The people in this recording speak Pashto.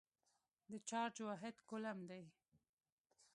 د چارج واحد کولم دی.